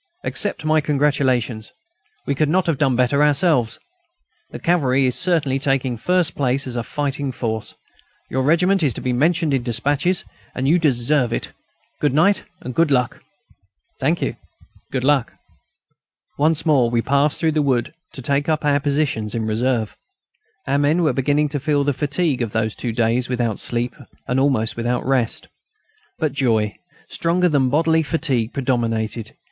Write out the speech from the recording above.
Accept my congratulations. We could not have done better ourselves. The cavalry is certainly taking first place as a fighting force. Your regiment is to be mentioned in despatches, and you deserve it. Good night. Good luck!" "Thank you! Good luck!" Once more we passed through the wood to take up our position in reserve. Our men were beginning to feel the fatigue of those two days without sleep and almost without rest. But joy, stronger than bodily fatigue, predominated.